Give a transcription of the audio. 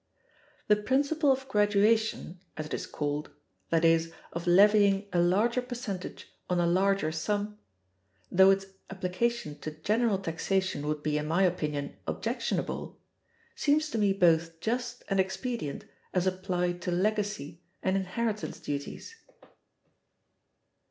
The principle of graduation (as it is called), that is, of levying a larger percentage on a larger sum, though its application to general taxation would be in my opinion objectionable, seems to me both just and expedient as applied to legacy and inheritance duties.